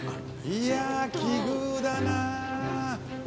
いや奇遇だなあ。